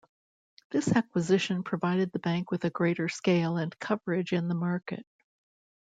This acquisition provided the Bank with a greater scale and coverage in the market.